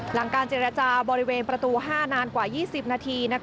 หลังการเจรจาบริเวณประตู๕นานกว่า๒๐นาที